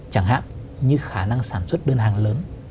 chẳng hạn như khả năng sản xuất đơn hàng lớn